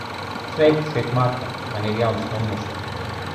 Sveiki, šeit Marta. Man ir jauns numurs.